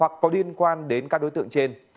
hoặc có liên quan đến các đối tượng trên